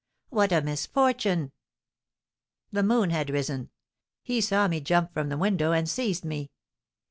"What a misfortune!" "The moon had risen. He saw me jump from the window and seized me.